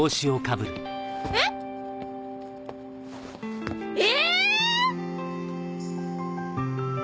えっ？え！